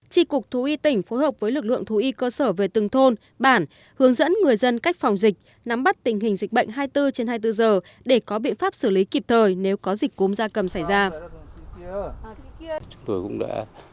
trị cục thú y tỉnh phối hợp với lực lượng thú y cơ sở về từng thôn bản hướng dẫn người dân cách phòng dịch nắm bắt tình hình dịch bệnh hai mươi bốn trên hai mươi bốn giờ để có biện pháp xử lý kịp thời nếu có dịch cúm gia cầm xảy ra